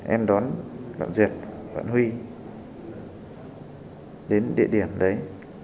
em đón bạn duyệt bạn huy đến địa điểm đấy